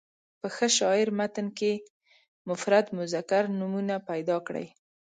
په ښه شاعر متن کې مفرد مذکر نومونه پیدا کړي.